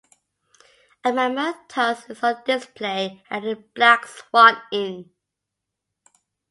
A mammoth tusk is on display at the Black Swan inn.